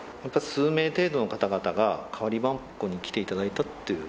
数名程度の方々がかわりばんこに来ていただいたっていう。